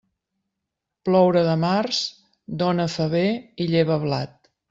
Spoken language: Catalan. Ploure de març, dóna faver i lleva blat.